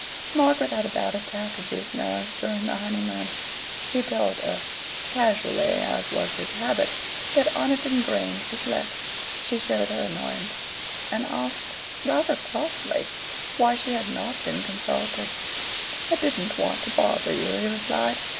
Margaret had a bad attack of these nerves during the honeymoon. He told her casually, as was his habit that Oniton Grange was let. She showed her annoyance, and asked rather crossly why she had not been consulted. "I didn't want to bother you," he replied.